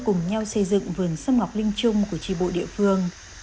đã xây dựng vườn xâm ngọc linh chung của tri bộ địa phương